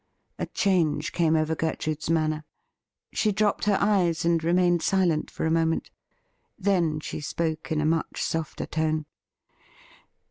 A change came over Gertrude's manner. She dropped her eyes, and remained silent for a moment. Then she spoke in a much softer tone.